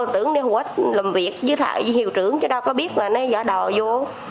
tưởng để hụt làm việc với thầy hiệu trưởng chứ đâu có biết là nó giả đò vô